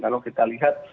kalau kita lihat